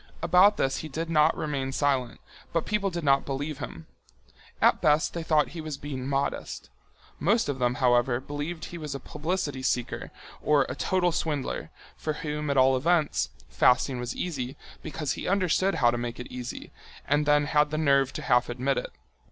About this he did not remain silent, but people did not believe him. At best they thought he was being modest. Most of them, however, believed he was a publicity seeker or a total swindler, for whom, at all events, fasting was easy, because he understood how to make it easy, and then had the nerve to half admit it.